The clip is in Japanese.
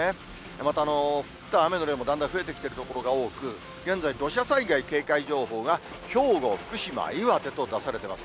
また降った雨の量も、だんだん増えてきている所が多く、現在、土砂災害警戒情報が兵庫、福島、岩手と出されてます。